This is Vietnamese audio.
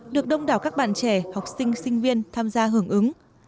được đông đảo các bạn trẻ học sinh sinh viên tham gia hưởng ứng